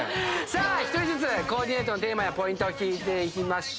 さあ１人ずつコーディネートのテーマやポイントを聞いていきましょう。